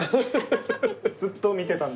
ずっと見てたんで。